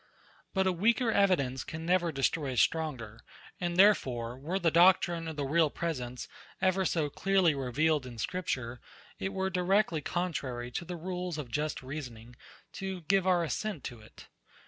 But a weaker evidence can never destroy a stronger; and therefore, were the doctrine of the real presence ever so clearly revealed in scripture, it were directly contrary to the rules of just reasoning to give our assent to it.